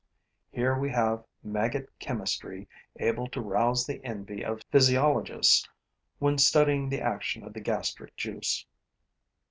Here we have maggot chemistry able to rouse the envy of physiologists when studying the action of the gastric juice.